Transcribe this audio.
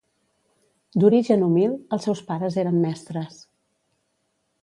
D'origen humil, els seus pares eren mestres.